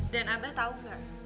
dan abah tau gak